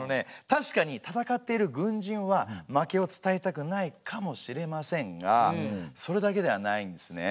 確かに戦っている軍人は負けを伝えたくないかもしれませんがそれだけではないんですね。